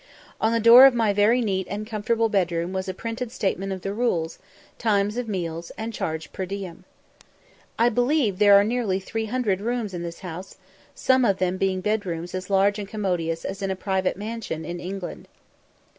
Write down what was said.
On the door of my very neat and comfortable bed room was a printed statement of the rules, times of meals, and charge per diem. I believe there are nearly 300 rooms in this house, some of them being bed rooms as large and commodious as in a private mansion in England.